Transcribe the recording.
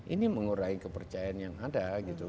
ini mengurai kepercayaan yang ada